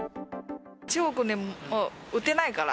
中国には、もう売ってないから。